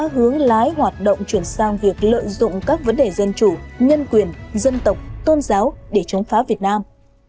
hướng lái hoạt động chuyển sang việc lợi dụng các vấn đề dân chủ nhân quyền dân tộc tôn giáo để chống phá việt nam